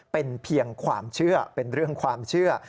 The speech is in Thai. เป็นเพียงความเชื่อเป็นเรื่องความเชื่อ